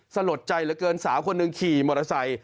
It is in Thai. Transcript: สลดใจเหลือเกินสาวคนหนึ่งขี่มอเตอร์ไซค์